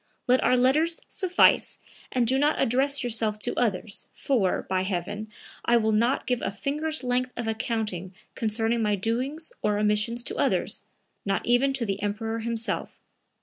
Let our letters suffice and do not address yourself to others, for, by heaven, I will not give a finger's length of accounting concerning my doings or omissions to others, not even to the Emperor himself.